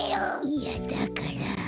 いやだから。